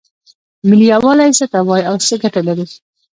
ملي یووالی څه ته وایې او څه ګټې لري؟